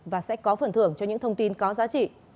và sẽ có phần thưởng cho những thông tin có giá trị